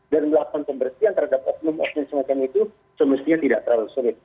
dan melakukan pembersihan terhadap oknum oknum semacam itu semestinya tidak terlalu sulit